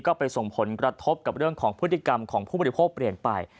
ก็ไปส่งผลกระทบกับเรื่องของพฤติกรรมของผู้บริโภคเปลี่ยนไป